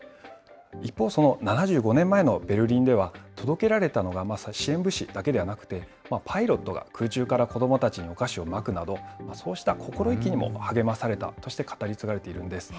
一方、その７５年前のベルリンでは、届けられたのが支援物資だけではなくて、パイロットが空中から子どもたちにお菓子をまくなど、そうした心意気にも励まされたとして語り継がれているんです。